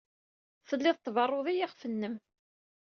Tellid tberrud i yiɣef-nnem.